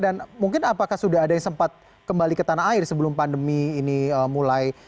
dan mungkin apakah sudah ada yang sempat kembali ke tanah air sebelum pandemi ini mulai